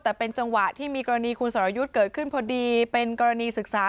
แต่เป็นจังหวะที่มีกรณีคุณสรยุทธ์เกิดขึ้นพอดีเป็นกรณีศึกษา